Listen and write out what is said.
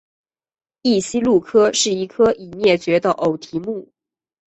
异鼷鹿科是一科已灭绝的偶蹄目。